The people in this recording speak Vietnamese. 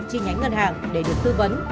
chi nhánh ngân hàng để được tư vấn